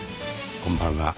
こんばんは。